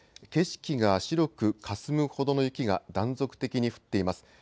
景色が白くかすむほどの雪が断続的に降っています。